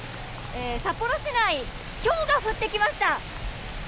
札幌市内、ひょうが降ってきました。